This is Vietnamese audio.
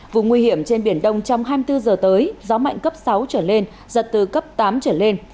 vùng nguy hiểm trên biển đông trong hai mươi bốn giờ tới gió mạnh cấp sáu trở lên giật từ cấp tám trở lên